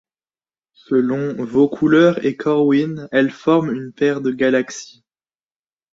Selon Vaucouleurs et Corwin, elles forment une paire de galaxies.